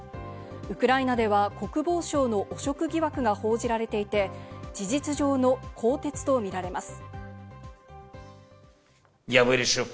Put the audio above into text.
ウクライナでは国防省の汚職疑惑が報じられていて、事実上の更迭とみられます。